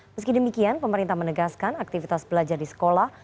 meski demikian pemerintah menegaskan aktivitas belajar di sekolah